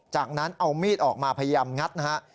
จากนั้นเอามีดออกมาพยายามงัดนะฮะ